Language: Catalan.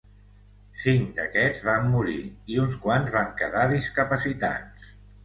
Cinc d'aquests van morir i uns quants van quedar discapacitats.